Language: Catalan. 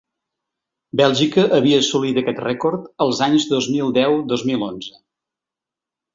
Bèlgica havia assolit aquest rècord els anys dos mil deu-dos mil onze.